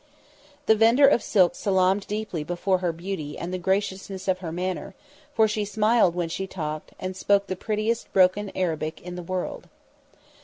The vendor of silks salaamed deeply before her beauty and the graciousness of her manner, for she smiled when she talked and spoke the prettiest broken Arabic in the world.